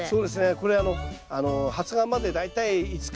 これあの発芽まで大体５日。